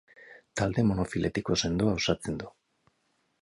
Talde monofiletiko sendoa osatzen du.